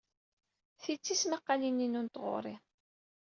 Ti d tismaqqalin-inu n tɣuri.